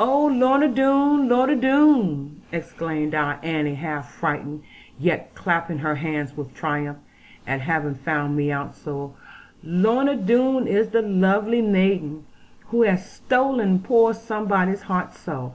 'Oh Lorna Doone. Lorna Doone!' exclaimed our Annie half frightened, yet clapping her hands with triumph, at having found me out so: 'Lorna Doone is the lovely maiden, who has stolen poor somebody's heart so.